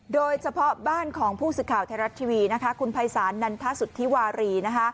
โดยเฉพาะบ้านของผู้สื่อข่าวไทยรัฐทีวีคุณภัยศาลนันทสุธิวารี